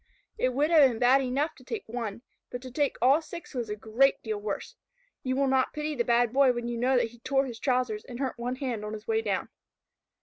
It would have been bad enough to take one, but to take all six was a great deal worse. You will not pity the Bad Boy when you know that he tore his trousers and hurt one hand on his way down.